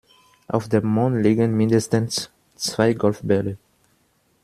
Auf dem Mond liegen mindestens zwei Golfbälle.